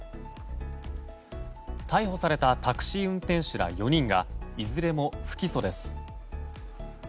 逮捕されたタクシー運転手ら４人がいずれも不起訴です。